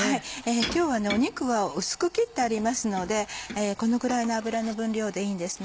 今日は肉は薄く切ってありますのでこのくらいの油の分量でいいんですね。